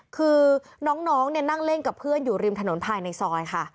คือน้องนั่งเล่นกับเพื่อนอยู่ริมถนนภายในซอยค่ะ